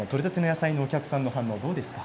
お客さんの反応はどうですか。